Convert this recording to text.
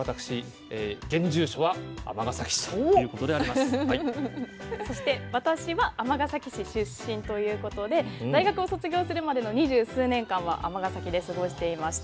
まず私そして私は尼崎市出身ということで大学を卒業するまでの二十数年間は尼崎で過ごしていました。